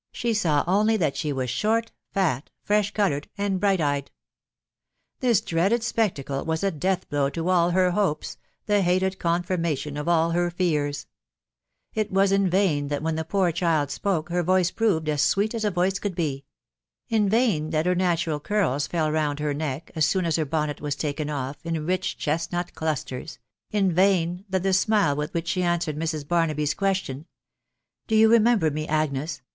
she* saw only that: she was short, fat, fresh coloured? and bright eyed !.... This dreaded spectacle i was a death blow to aU her hopes, the hated confirmation, ofralli her fears* It was in, vain that: when the poor child spoke* her: voice proved aa sweet a*, a voice: could be^— in vain that her natural curia fell round her neck, aa soon aasber bonnet was taken off, in rich chestnut clusters— in vain that the anile with which she answered Mrs. Batnaby's question, " Dayou remember; me, Agnes